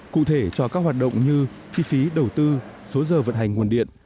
cụ thể cho các hoạt động như chi phí đầu tư số giờ vận hành nguồn điện